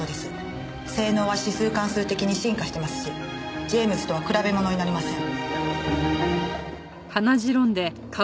性能は指数関数的に進化してますしジェームズとは比べものになりません。